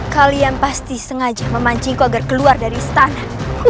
kalian pasti sengaja memancingku agar keluar dari istana